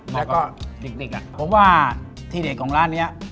แล้วก็ดิกดิกอ่ะผมว่าที่เด็กของร้านเนี้ย